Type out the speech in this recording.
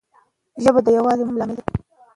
ژبه د یووالي مهم لامل دی.